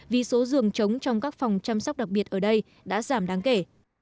vì số giường chống trong các phòng chăm sóc đặc biệt ở đây đã giảm đáng kể